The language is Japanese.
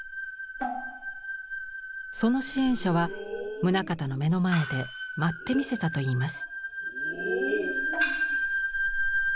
その支援者は棟方の目の前で舞ってみせたといいます。